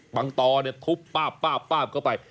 บังตอเนี่ยทุบป่าก็ไป